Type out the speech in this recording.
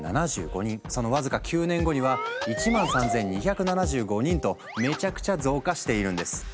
その僅か９年後には１３，２７５人とめちゃくちゃ増加しているんです。